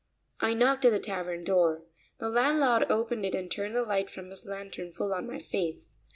I knocked at the tavern door. The landlord opened it and turned the light from his lantern full on my face.